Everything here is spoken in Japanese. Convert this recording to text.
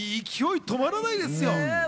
勢い止まらないですよ。